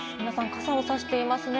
傘をさしていますね。